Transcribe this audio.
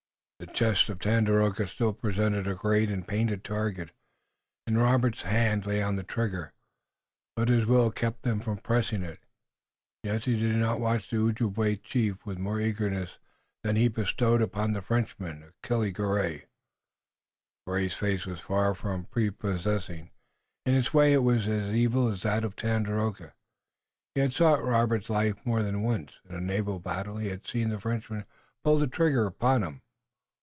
The chest of Tandakora still presented a great and painted target, and Robert's hand lay on the trigger, but his will kept him from pressing it. Yet he did not watch the Ojibway chief with more eagerness than he bestowed upon the Frenchman, Achille Garay. Garay's face was far from prepossessing. In its way it was as evil as that of Tandakora. He had sought Robert's life more than once. In the naval battle he had seen the Frenchman pull trigger upon him.